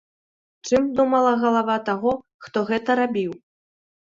Чым думала галава таго, хто гэта рабіў?